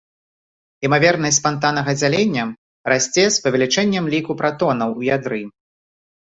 Імавернасць спантаннага дзялення расце з павелічэннем ліку пратонаў у ядры.